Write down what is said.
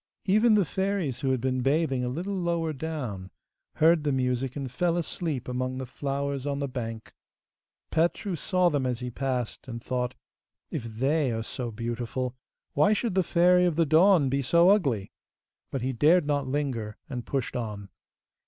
Even the fairies who had been bathing a little lower down heard the music and fell asleep among the flowers on the bank. Petru saw them as he passed, and thought, 'If they are so beautiful, why should the Fairy of the Dawn be so ugly?' But he dared not linger, and pushed on.